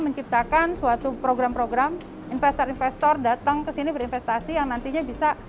menciptakan suatu program program investor investor datang ke sini berinvestasi yang nantinya bisa